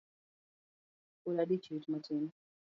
Pod adich rit matin